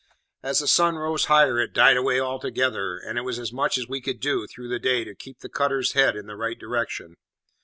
As the sun rose higher it died away altogether, and it was as much as we could do, through the day, to keep the cutter's head in the right direction.